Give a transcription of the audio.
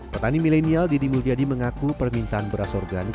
petani milenial didi mulyadi mengaku permintaan beras organik